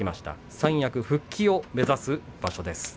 三役復帰を目指す場所です。